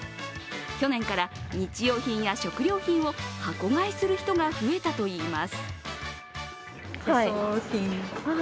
去年から日用品や食料品を箱買いする人が増えたといいます。